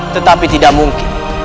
tetapi tidak mungkin